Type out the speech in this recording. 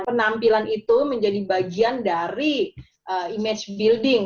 penampilan itu menjadi bagian dari image building